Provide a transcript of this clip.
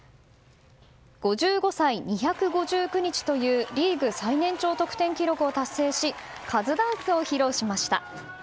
５５歳２５９日というリーグ最年長得点記録を達成しカズダンスを披露しました。